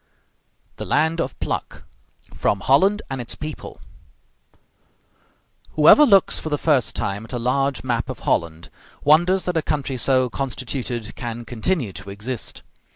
THE LAND OF PLUCK From 'Holland and Its People' Whoever looks for the first time at a large map of Holland wonders that a country so constituted can continue to exist.